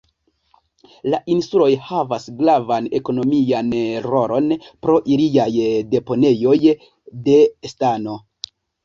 La insuloj havas gravan ekonomian rolon pro iliaj deponejoj de stano.